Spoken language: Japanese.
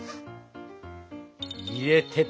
入れてと。